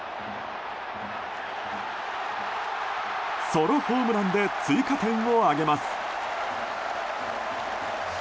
ソロホームランで追加点を挙げます。